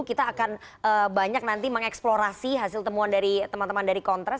kita akan banyak nanti mengeksplorasi hasil temuan dari teman teman dari kontras